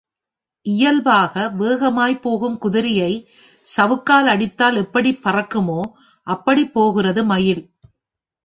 இயல்பாக வேகமாய்ப் போகும் குதிரையைச் சவுக்கால் அடித்தால் எப்படிப் பறக்குமோ அப்படிப் போகிறது மயில்.